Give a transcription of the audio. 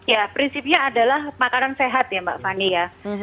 ya prinsipnya adalah makanan sehat ya mbak fani ya